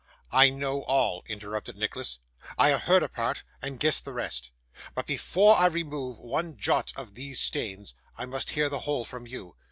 'I know all,' interrupted Nicholas; 'I have heard a part, and guessed the rest. But before I remove one jot of these stains, I must hear the whole from you.